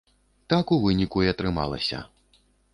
Так у выніку і атрымалася.